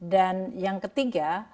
dan yang ketiga